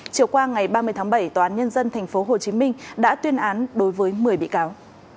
chiều qua ngày ba mươi tháng bảy tòa án nhân dân thành phố hồ chí minh đã tuyên án đối với một mươi bị cáo